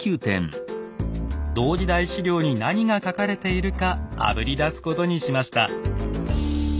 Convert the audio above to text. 同時代史料に何が書かれているかあぶり出すことにしました。